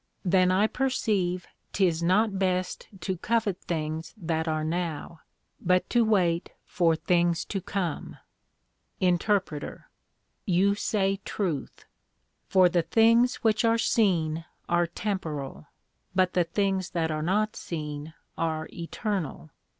Then I perceive 'tis not best to covet things that are now, but to wait for things to come. INTER. You say truth: For the things which are seen are Temporal; but the things that are not seen are Eternal.